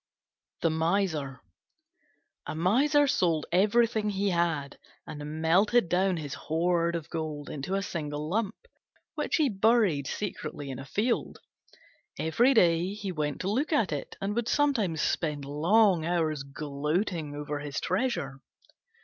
THE MISER A Miser sold everything he had, and melted down his hoard of gold into a single lump, which he buried secretly in a field. Every day he went to look at it, and would sometimes spend long hours gloating over his treasure.